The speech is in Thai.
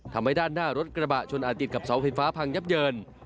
ทำให้ด้านหน้ารถกระบะชนอาจติดกับเสาไฟฟ้าพังยับเยิน